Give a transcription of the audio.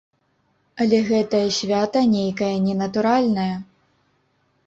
Але гэтае свята нейкае ненатуральнае.